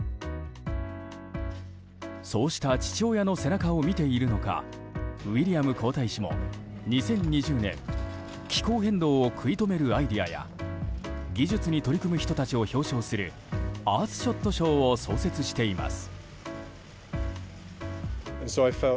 そうした父親の背中を見ているのかウィリアム皇太子も２０２０年、気候変動を食い止めるアイデアや技術に取り組む人たちを表彰するアースショット賞を創設しています。